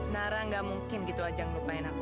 nara gak mungkin gitu aja ngelupain aku